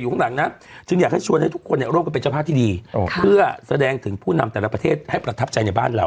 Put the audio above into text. อยากให้ทุกคนร่วมกับเป็นเจ้าภาพที่ดีเพื่อแสดงถึงผู้นำแต่ละประเทศให้ประทับใจในบ้านเรา